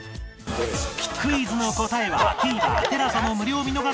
クイズの答えは ＴＶｅｒＴＥＬＡＳＡ の無料見逃し配信でチェック